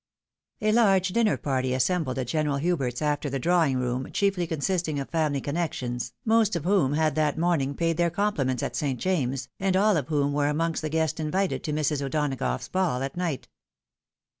A LAEGE dinner party assembled at General Hubert's after the drawing room, chiefly consisting of famUy connections, most of whom had that morning paid their compliments at St. James's, and all of whom were amongst the guests invited to Mrs. O'Donagough's ball at night.